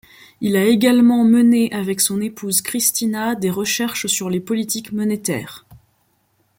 Il a également mené avec son épouse Christina des recherches sur les politiques monétaires.